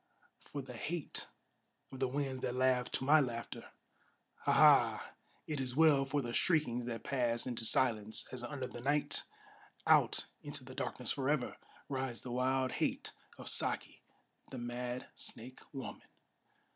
for the hate of the winds that laugh to my laughter! Ha! Ha! it is well for the shriekings that pass into silence, As under the night, out into the darkness forever, Rides the wild hate of Saki, the mad snake woman!